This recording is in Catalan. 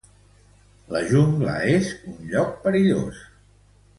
La jungla és un lloc perillós.